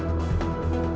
aku mau ke rumah